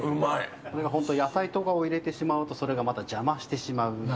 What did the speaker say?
これが本当、野菜とかを入れてしまうと、それがまた邪魔してしまう。